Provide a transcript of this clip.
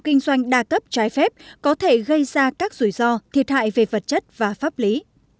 kinh doanh đa cấp trái phép có thể gây ra các rủi ro thiệt hại về vật chất và pháp lý